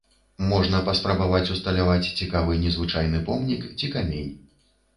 Можна паспрабаваць усталяваць цікавы незвычайны помнік ці камень.